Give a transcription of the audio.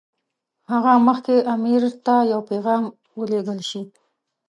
له هغه مخکې امیر ته یو پیغام ولېږل شي.